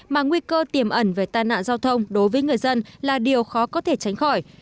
mà nguy cơ tiềm ẩn về tai nạn giao thông đối với người dân là điều khó có thể tránh khỏi